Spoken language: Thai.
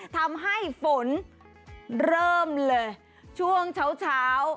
ทำให้ฝนเริ่มเลยช่วงเช้า